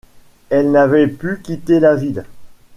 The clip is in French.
Elle n’avait pu quitter la ville.